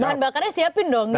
bahan bakarnya siapin dong